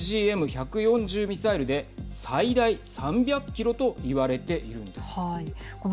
ＭＧＭ１４０ミサイルで最大３００キロといわれているんです。